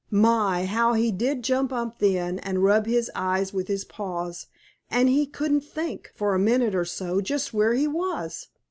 My! how he did jump up then and rub his eyes with his paws, and he couldn't think, for a minute or so, just where he was.